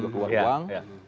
itu tersebut juga keluar uang